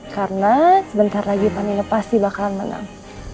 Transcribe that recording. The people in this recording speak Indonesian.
karena sebentar lagi pak nino pasti bakalan menang